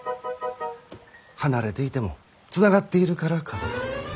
離れていてもつながっているから家族。